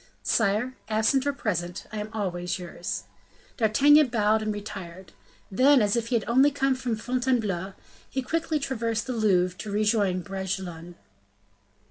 "Sire, absent or present, I am always yours." D'Artagnan bowed and retired. Then, as if he had only come from Fontainebleau, he quickly traversed the Louvre to rejoin Bragelonne.